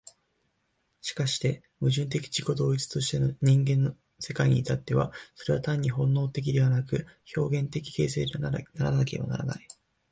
しかして矛盾的自己同一としての人間の世界に至っては、それは単に本能的でなく、表現的形成的でなければならない。